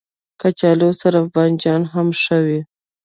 کچالو سره بانجان هم ښه وي